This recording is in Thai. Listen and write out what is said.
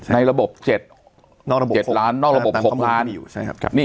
ในระบบ๗ล้านนอกระบบ๖ล้าน